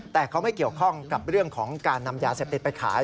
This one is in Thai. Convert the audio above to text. แต่เขาไม่เกี่ยวข้องกับเรื่องของการนำยาเสพติดไปขาย